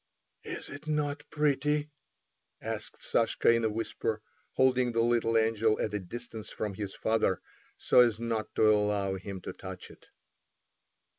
"Is it not pretty?" asked Sashka in a whisper, holding the little angel at a distance from his father, so as not to allow him to touch it.